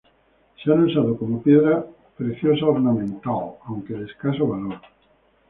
Se ha usado como piedra preciosa ornamental, aunque de escaso valor.